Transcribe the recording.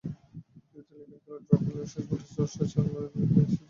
দ্বিতীয় লেগের খেলায় ড্র করলেও শেষ চারের লড়াই নিশ্চিত হয়ে যেত তাদের।